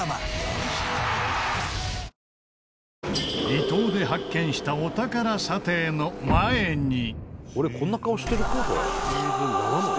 離島で発見したお宝査定の前に。